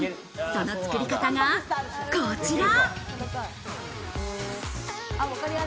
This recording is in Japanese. その作り方がこちら。